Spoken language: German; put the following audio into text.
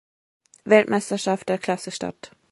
Weltmeisterschaft der Klasse statt.